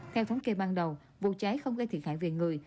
theo thống kê ban đầu vụ cháy không gây thiệt hại về người